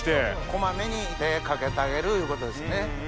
小まめにかけてあげるいうことですね。